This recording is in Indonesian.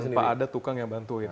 tanpa ada tukang yang bantuin